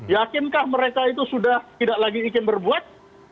yakinkah mereka itu sudah tidak lagi ingin berbuat